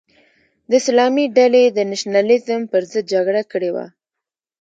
د اسلامي ډلې د نشنلیزم پر ضد جګړه کړې وه.